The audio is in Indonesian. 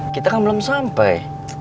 kita kan belum sampai